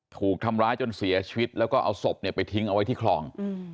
ถูกทำร้ายจนเสียชีวิตแล้วก็เอาศพไปทิ้งเอาไว้ที่คลอง